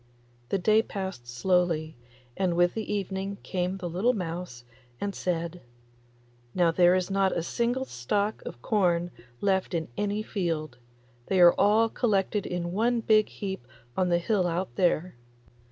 The day passed slowly, and with the evening came the little mouse and said, 'Now there is not a single stalk of corn left in any field; they are all collected in one big heap on the hill out there.